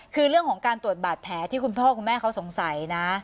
คือเรื่องของการตรวจบาดแผลที่คุณพ่อคุณแม่เขาสงสัยนะ